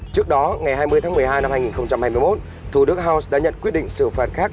trước đó ngày hai mươi tháng một mươi hai năm hai nghìn hai mươi một thủ đức house đã nhận quyết định xử phạt khác